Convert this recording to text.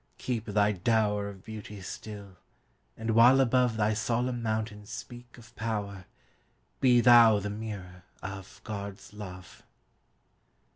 keep thy dowerOf beauty still, and while aboveThy solemn mountains speak of power, Be thou the mirror of God's love.